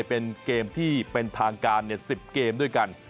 เป็นเกมที่เป็นทางการ๑๐เกมด้วยกัน